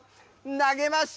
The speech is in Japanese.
投げました。